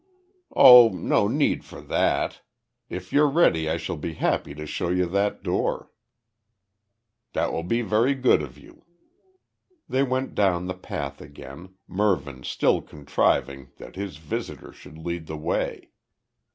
"Oh, no need for that. If you're ready I shall be happy to show you that door." "That will be very good of you." They went down the path again, Mervyn still contriving that his visitor should lead the way.